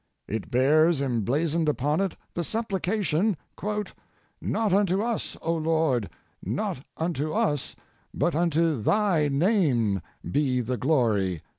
It bears emblazoned upon it the supplication: "Not unto us, Lord, not unto us; but unto Thy name be the glory."